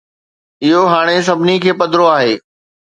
اهو هاڻي سڀني کي پڌرو آهي.